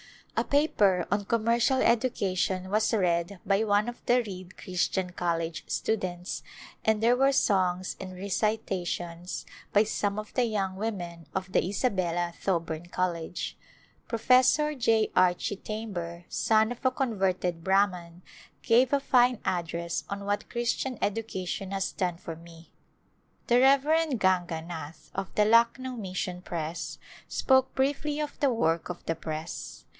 A paper on " Commercial Education " was read by one of the Reid Christian College students, and there were songs and recitations by some of the young women of the Isabella Thoburn College. Professor J. R. Chitamber, son of a converted Brahman, gave a fine address on " What Christian Education has Done for Me." The Rev. Ganga Nath of the Lucknow Mission Press spoke briefly of the work of the Press.